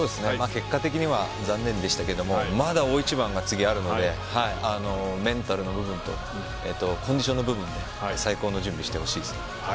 結果的には残念でしたがまだ大一番が次あるのでメンタルの部分とコンディションの部分で最高の準備をしてほしいです。